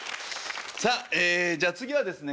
さあじゃあ次はですね